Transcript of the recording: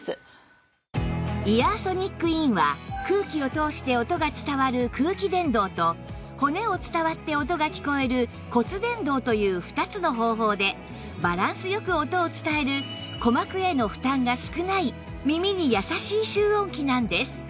イヤーソニックインは空気を通して音が伝わる空気伝導と骨を伝わって音が聞こえる骨伝導という２つの方法でバランスよく音を伝える鼓膜への負担が少ない耳に優しい集音器なんです